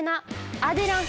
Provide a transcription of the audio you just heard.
アデランス。